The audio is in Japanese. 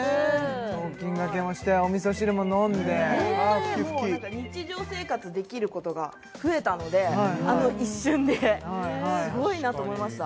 雑巾がけもしてお味噌汁も飲んで日常生活できることが増えたのであの一瞬ですごいなと思いました